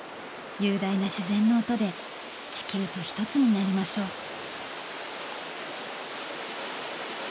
雄大な自然の音で地球とひとつになりましょう。